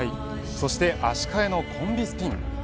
そして足換えのコンビスピン